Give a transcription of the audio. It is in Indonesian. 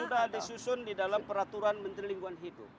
sudah disusun di dalam peraturan menteri lingkungan hidup